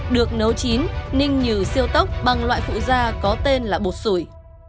được nấu chín ninh nhừ siêu tốc bằng loại phụ gia có tên là bột sủi